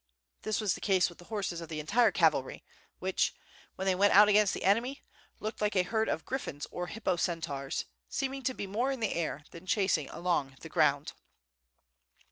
This was the case with the horses of the entire cavalry, which, when they went out against the enemy, looked like a herd of griffins or hippo centaurs, seeming to be more in the air, than chasing along the ground.